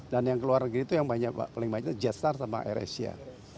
dan yang keluar negeri itu yang paling banyak jetstar sama air asia